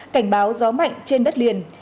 cảnh báo gió mạnh trên đất liền